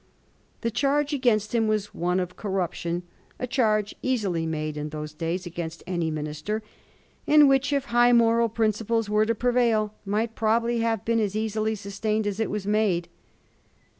The charge against him was one of corruption, a charge easily made in those days against any minister, and which, if high moral principles were to prevail, might probably have been as easUy sustained as it was made.